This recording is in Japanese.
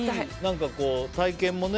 体験もね。